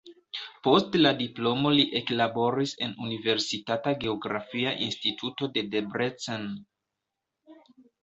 Post la diplomo li eklaboris en universitata geografia instituto de Debrecen.